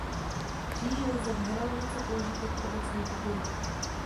Kříž lze v heraldice použít jako obecnou figuru.